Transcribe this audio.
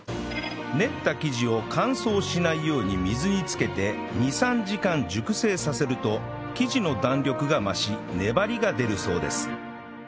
練った生地を乾燥しないように水につけて２３時間熟成させると生地の弾力が増し粘りが出るそうです